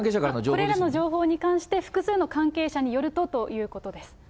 これらの情報に関して、複数の関係者によるとということです。